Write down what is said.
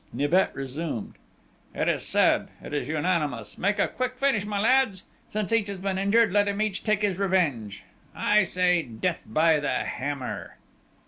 Nibet resumed. "It is said!... It is unanimous!... Make a quick finish, my lads!... Since each has been injured, let each take his revenge! I say: Death by the hammer!"